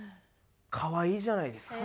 可愛いじゃないですか。